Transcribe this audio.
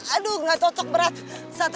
aduh nggak cocok berat